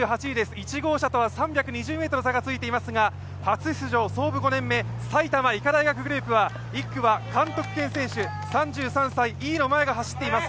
１号車とは３２０ｍ差がついていますが初出場、創部５年目、埼玉医科大学グループは１区は監督権選手、３３歳、飯野摩耶が走っています。